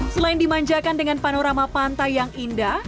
selain dimanjakan dengan panorama pantai yang indah